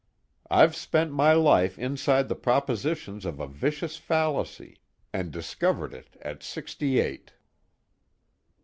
I've spent my life inside the propositions of a vicious fallacy, and discovered it at sixty eight."